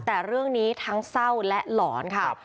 แต่เรื่องนี้ทั้งเศร้าและหลอนค่ะ